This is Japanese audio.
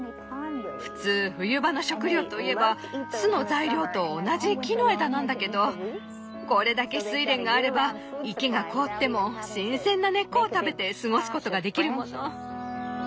普通冬場の食料といえば巣の材料と同じ木の枝なんだけどこれだけスイレンがあれば池が凍っても新鮮な根っこを食べて過ごすことができるもの。